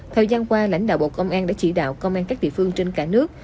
thời gian qua lãnh đạo bộ công an đã chỉ đạo công an các địa phương trên cả nước